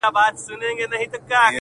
• تا خو کړئ زموږ د مړو سپکاوی دی..